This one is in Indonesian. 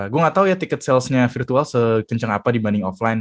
gue nggak tau ya ticket salesnya virtual sekenceng apa dibanding offline